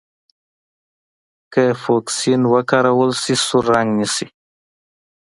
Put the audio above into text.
که فوکسین وکارول شي سور رنګ نیسي.